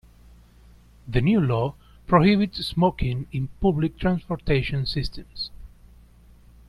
The new law prohibits smoking in public transportation systems.